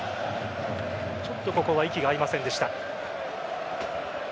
ちょっとここは息が合いませんでした。